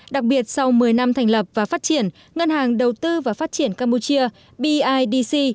đặc biệt sau một mươi năm thành lập và phát triển ngân hàng đầu tư và phát triển campuchia bidc